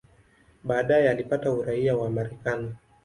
Baadaye alipata uraia wa Marekani.